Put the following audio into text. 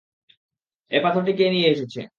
এ পাথরটি কে নিয়ে এসেছে।